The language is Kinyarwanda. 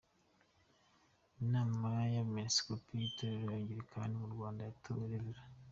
Inama y’Abepiskopi b’Itorero ry’Angilikani mu Rwanda yatoye Rev.